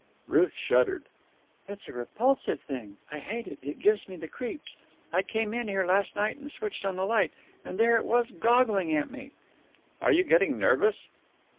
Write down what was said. Ruth shuddered. "It's a repulsive thing. I hate it. It gives me the creeps. I came in here last night and switched on the light, and there it was, goggling at me." "Are you getting nervous?"